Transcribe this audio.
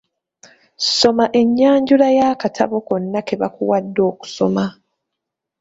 Soma ennyanjula y'akatabo konna ke bakuwadde okusoma.